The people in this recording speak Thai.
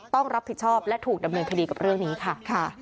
ต้องรับผิดชอบและถูกดำเนินคดีกับเรื่องนี้ค่ะ